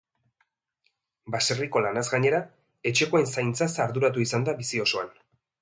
Baserriko lanaz gainera, etxekoen zaintzaz arduratu izan da bizi osoan.